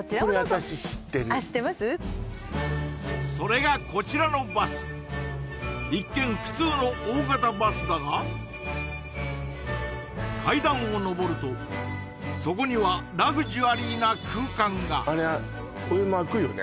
私知ってるそれがこちらのバス一見普通の大型バスだが階段を上るとそこにはラグジュアリーな空間があれ上も開くよね？